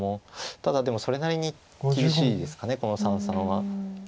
ただでもそれなりに厳しいですかこの三々は。